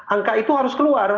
angka itu harus keluar